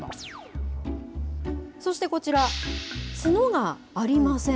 そしてこちら、角がありません。